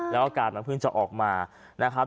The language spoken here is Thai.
แล้วอากาศมันเพิ่งจะออกมานะครับ